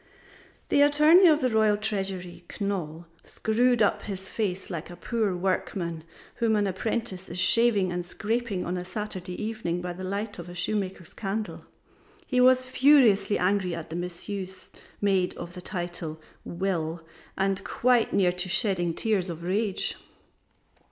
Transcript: The Attorney of the Royal Treasury Knol screwed up his face like a poor workman, whom an apprentice is shaving and scraping on a Saturday evening by the light of a shoemaker's candle; he was furiously angry at the misuse made of the title "Will" and quite near to shedding tears of rage.